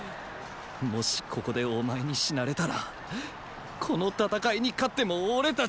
もしここでお前に死なれたらこの戦いに勝っても俺たちは！